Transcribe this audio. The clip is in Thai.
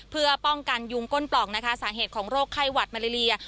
เพื่อป้องกันยุงก้นปล่องนะคะสาเหตุของโรคไข้หวัดมาเลเลีย